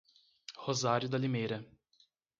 Rosário da Limeira